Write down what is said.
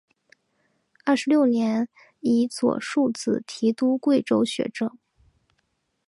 二十六年以左庶子提督贵州学政。